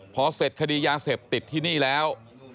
พอเสร็จคดียาเสพติดที่นี่แล้ว